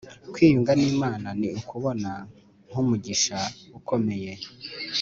kwiyunga n’imana ni ukubona nka umugisha ukomeye